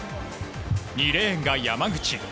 ２レーンが山口。